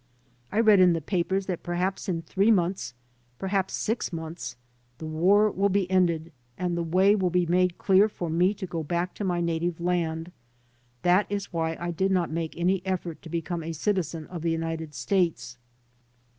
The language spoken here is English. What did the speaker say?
1 read in the papers that perhaps in three months, perhaps six months, the war will be ended and the way will be made clear for me to go back to my native land. That is why I did not make any effort to become a citizen of the United States."